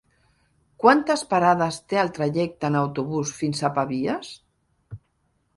Quantes parades té el trajecte en autobús fins a Pavies?